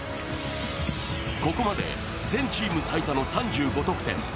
ここまで全チーム最多の３５得点。